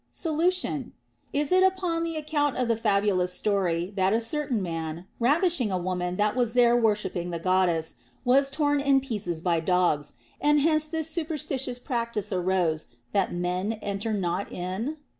Solution. Is it upon the account of the fabulous story, that a certain man, ravishing a woman that was there worshipping the Goddess, was torn in pieces by dogs ; and hence this superstitious practice arose, that men enter not in